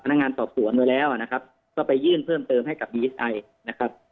นักงานสอบสวนมาแล้วนะครับก็ไปยื่นเพิ่มเติมให้กับดีเอสไอนะครับ